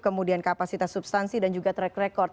kemudian kapasitas substansi dan juga track record